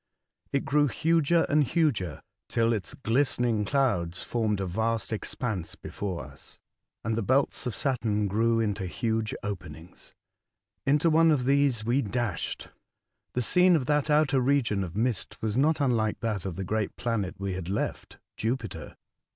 It grew huger and huger, till its glistening clouds formed a vast expanse before us, and the belts of Saturn grew into huge openings. Into one of these we dashed. The scene of that outer region of mist ■was not unlike that of the great planet we had left — Jupiter.